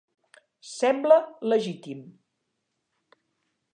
Sembla legítim.